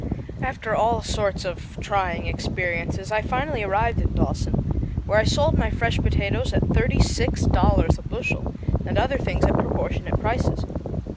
After all sorts of trying experiences, I finally arrived in Dawson, where I sold my fresh potatoes at thirty six dollars a bushel and other things at proportionate prices.